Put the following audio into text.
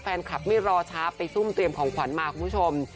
แฟนคลับไม่รอช้าไปซุ่มเตรียมของขวัญมาคุณผู้ชม